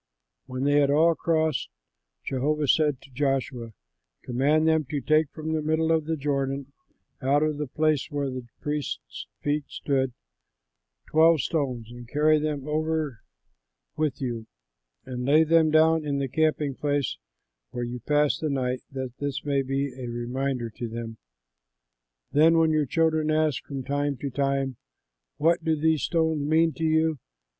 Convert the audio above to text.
When they had all crossed, Jehovah said to Joshua, "Command them to take from the middle of the Jordan, out of the place where the priests' feet stood, twelve stones and carry them over with you and lay them down in the camping place, where you pass the night, that this may be a reminder to them. Then when your children ask from time to time: 'What do these stones mean to you?'